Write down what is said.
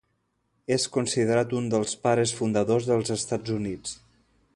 És considerat un dels Pares fundadors dels Estats Units.